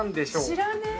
知らねえ。